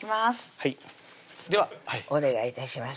はいではお願い致します